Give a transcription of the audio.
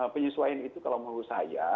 penyesuaian itu kalau menurut saya